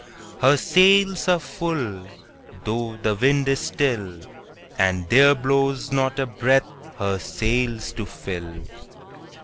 Her sails are full,—though the wind is still, And there blows not a breath her sails to fill!